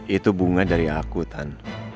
itu bunga dari aku tan